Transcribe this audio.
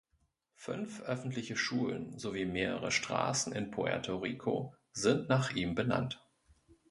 Fünf öffentliche Schulen sowie mehrere Straßen in Puerto Rico sind nach ihm benannt.